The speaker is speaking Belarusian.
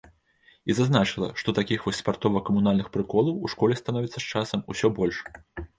І зазначыла, што такіх вось спартова-камунальных прыколаў у школе становіцца з часам усё больш.